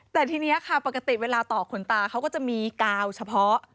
แต่ทีนี้ค่ะปกติเวลาต่อขนตาเขาก็จะมีกาวเฉพาะ